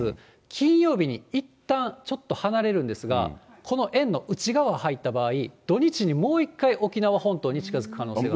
金曜日にいったんちょっと離れるんですが、この円の内側へ入った場合、土日にもう一回沖縄本島に近づく可能性がある。